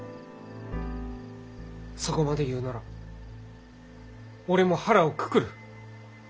そこまで言うなら俺も腹をくくる。